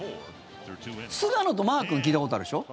菅野とマー君聞いたことあるでしょ？